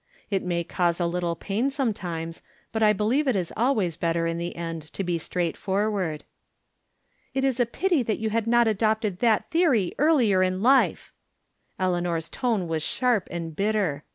It may cause a little pain, sometimes, but I believe it is always better in the end to be straightforward." " It is a pity that you had not adopted that theory earlier in life." Eleanor's tone was sharp and bitter.